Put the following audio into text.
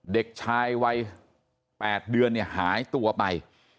เด็กชายวัย๘เดือนเนี่ยหายตัวไป